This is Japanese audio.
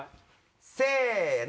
せの！